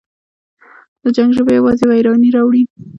د جنګ ژبه یوازې ویرانی راوړي.